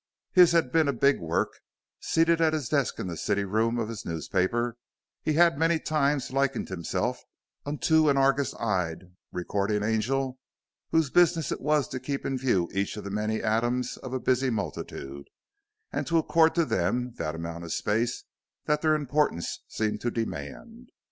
His had been a big work; seated at his desk in the "city" room of his newspaper he had many times likened himself unto an argus eyed recording angel whose business it was to keep in view each of the many atoms of a busy multitude and to accord to them that amount of space that their importance seemed to demand.